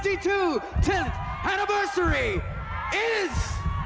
มิสแกรนด์คนใหม่ด้วยนะครับ